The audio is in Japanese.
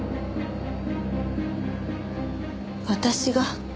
私が？